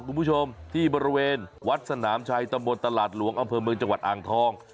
คุณผู้ชมที่บริเวณวัดสนามชัยตำบลตลาดหลวงอำเภอเมืองจังหวัดอ่างทอง